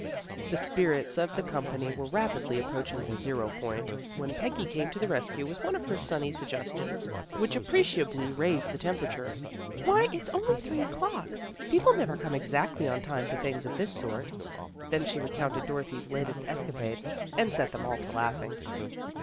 The spirits of the company were rapidly ap proaching the zero point when Peggy came to the rescue with one of her sunny suggestions, which appreciably raised the temperature. " Why, it's only three o'clock. People never come exactly on time to things of this sort." Then she recounted Dorothy's latest escapade and set them all to laughing.